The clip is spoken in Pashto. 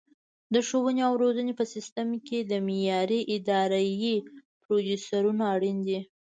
د ښوونې او روزنې په سیستم کې د معیاري ادرایې پروسیجرونه اړین دي.